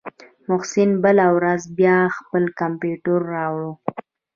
محسن بله ورځ بيا خپل کمپيوټر راوړ.